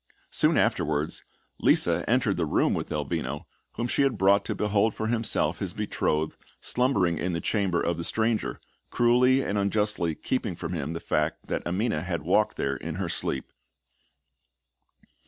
Soon afterwards, Lisa entered the room with Elvino, whom she had brought to behold for himself his betrothed slumbering in the chamber of the stranger, cruelly and unjustly keeping from him the fact that Amina had walked there in her sleep.